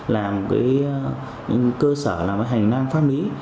làm cơ sở làm hành năng pháp lý